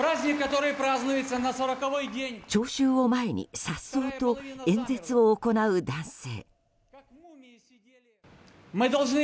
聴衆を前にさっそうと演説を行う男性。